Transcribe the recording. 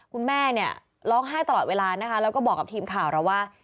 คุณแม่เนี่ยร้องไห้ตลอดเวลานะคะแล้วก็บอกกับทีมข่าวเราว่า